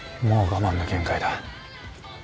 もう我慢の限界だ。